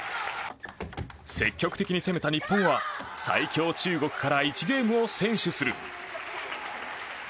積極的に攻めた日本は最強中国から１ゲームを先取する。